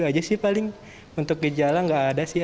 aja sih paling untuk gejala nggak ada sih